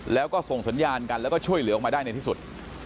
แล้วก็ส่งสัญญาณกันแล้วก็ช่วยเหลือออกมาได้ในที่สุด